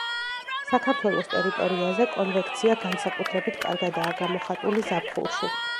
საქართველოს ტერიტორიაზე კონვექცია განსაკუთრებით კარგადაა გამოხატული ზაფხულში.